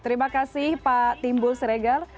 terima kasih pak timbul siregar